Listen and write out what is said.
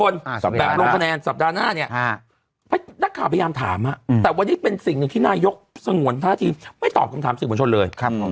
นักข่าวพยายามถามแต่วันนี้เป็นสิ่งหนึ่งที่นายกสงวนท่าทีไม่ตอบคำถามสื่อมวลชนเลย